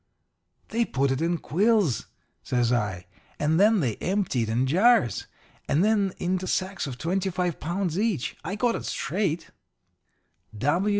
"'They put it in quills,' says I, 'and then they empty it in jars, and then into sacks of twenty five pounds each. I got it straight.'